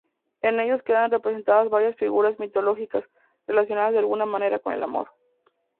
En ellos quedan representadas varias figuras mitológicas, relacionadas de alguna manera con el amor.